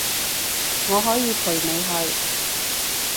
我可以陪你去